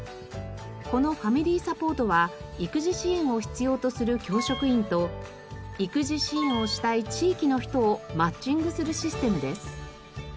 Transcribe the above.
このファミリーサポートは育児支援を必要とする教職員と育児支援をしたい地域の人をマッチングするシステムです。